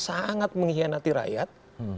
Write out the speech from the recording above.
sangat mengkhianati rakyat